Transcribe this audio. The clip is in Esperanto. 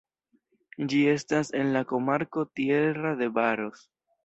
Ĝi estas en la komarko Tierra de Barros.